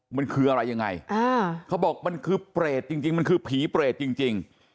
มันคืออะไรยังไงเขาบอกมันคือเปรตจริงมันคือผีเปรตจริง